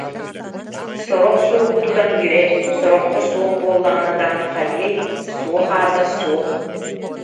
Сорох сурук тутан үөрэр, сороххо суох буоллаҕына даҕаны хайыай, суох аата суох